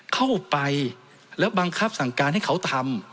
เข้าไปแล้วบังคับสั่งการให้เขาทำ